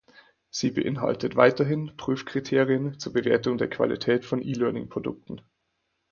Sie beinhaltet weiterhin Prüfkriterien zur Bewertung der Qualität von E-Learning-Produkten.